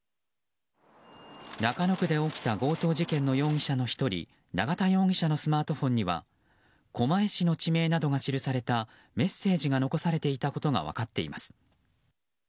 中野区で起きた強盗事件の容疑者の１人永田容疑者のスマートフォンには狛江市の地名などが記されたメッセージが残されていたことが分かっています。